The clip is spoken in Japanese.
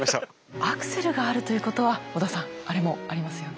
アクセルがあるということは織田さんあれもありますよね。